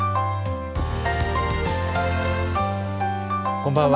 こんばんは。